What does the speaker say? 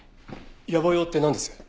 野暮用ってなんです？